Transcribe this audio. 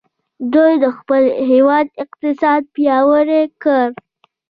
دوی د خپل هیواد اقتصاد پیاوړی کړ.